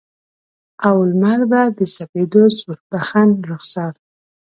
او لمر به د سپیدو سوربخن رخسار